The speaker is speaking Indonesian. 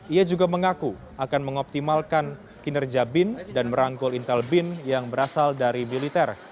ia juga mengaku akan mengoptimalkan kinerja bin dan merangkul intel bin yang berasal dari militer